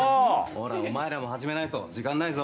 ほらお前らも始めないと時間ないぞ。